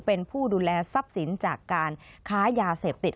เป็นผู้ดูแลทรัพย์สินจากการค้ายาเสพติด